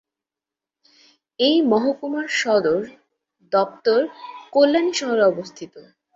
এই মহকুমার সদর দপ্তর কল্যাণী শহরে অবস্থিত।